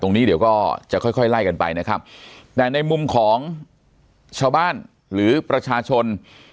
ตรงนี้เดี๋ยวก็จะค่อยค่อยไล่กันไปนะครับแต่ในมุมของชาวบ้านหรือประชาชน